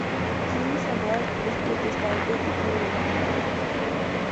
Kim Sa-Rang es protestante y tiene un hermano menor.